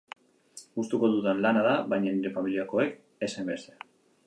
Gustuko dudan lana da, baina nire familiakoek ez hainbeste.